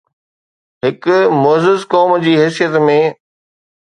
هڪ معزز قوم جي حيثيت ۾